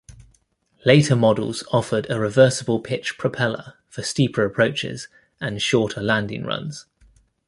Later models offered a reversible pitch propeller for steeper approaches, and shorter landing runs.